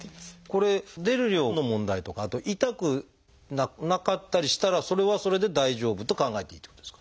これ出る量の問題とかあと痛くなかったりしたらそれはそれで大丈夫と考えていいってことですか？